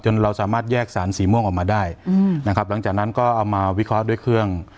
เราสามารถแยกสารสีม่วงออกมาได้อืมนะครับหลังจากนั้นก็เอามาวิเคราะห์ด้วยเครื่อง